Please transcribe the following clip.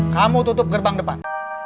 kamu tutup gerbang depan